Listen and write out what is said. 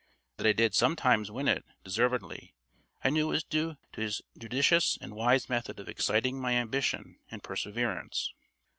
That I did sometimes win it, deservedly, I know was due to his judicious and wise method of exciting my ambition and perseverance.